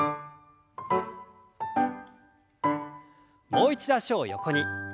もう一度脚を横に。